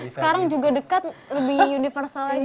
sekarang juga dekat lebih universal lagi